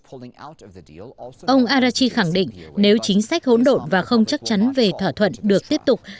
ông arachi khẳng định nếu chính sách hỗn độn và không chắc chắn về thỏa thuận được tiếp tục